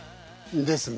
ですね。